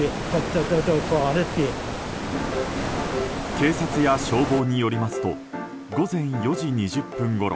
警察や消防によりますと午前４時２０分ごろ